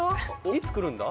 いつくるんだ？